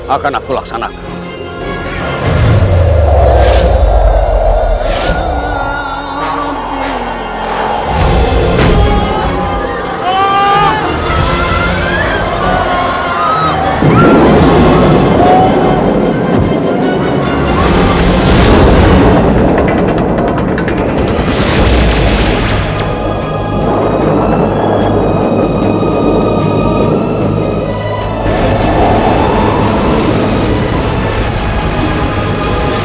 akan aku laksanakan